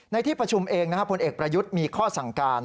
ในที่ประชุมเองพลเอกประยุทธ์มีข้อสั่งการ